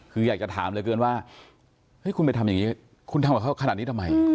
คืออยากจะถามเหลือเกินว่าเฮ้ยคุณไปทำอย่างนี้คุณทำกับเขาขนาดนี้ทำไม